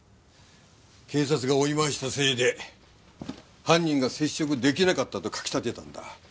警察が追い回したせいで犯人が接触出来なかったと書き立てたんだ。